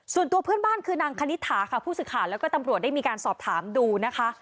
ส่วนตัวเพื่อนบ้านคือนางคณิตถาค่ะผู้สื่อข่าวแล้วก็ตำรวจได้มีการสอบถามดูนะคะ